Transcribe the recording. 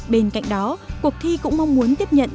bên cạnh đó cuộc thi cũng mong muốn tiếp nhận